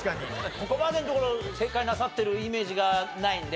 ここまでのところ正解なさってるイメージがないんで。